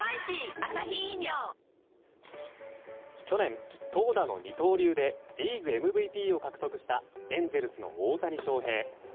去年、投打の二刀流でリーグＭＶＰを獲得したエンゼルスの大谷翔平。